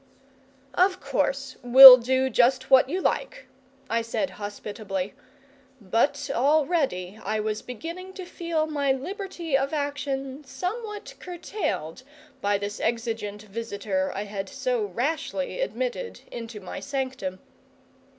"Of course we'll do just what you like," I said hospitably; but already I was beginning to feel my liberty of action somewhat curtailed by this exigent visitor I had so rashly admitted into my sanctum.